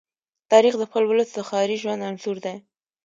تاریخ د خپل ولس د ښاري ژوند انځور دی.